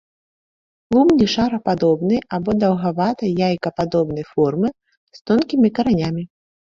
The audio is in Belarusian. Клубні шарападобнай або даўгавата-яйкападобнай формы, з тонкімі каранямі.